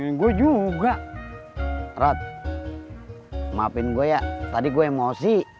jalan ngapain juga main pangkalan buat okimanis sjodik